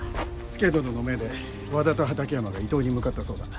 佐殿の命で和田と畠山が伊東に向かったそうだ。